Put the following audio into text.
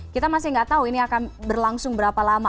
kita masih nggak tahu ini akan berlangsung berapa lama